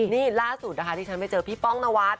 นี่ล่าสุดนะคะที่ฉันไปเจอพี่ป้องนวัด